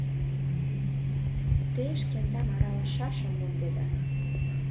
Те шкендам аралышашым мондеда...